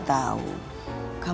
tau gak cara